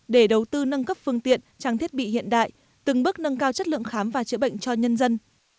để đầu tư nâng cấp phương tiện trang thiết bị hiện đại từng bước nâng cao chất lượng khám và chữa bệnh cho nhân dân